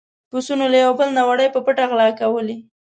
پسونو له يو بل نه وړۍ په پټه غلا کولې.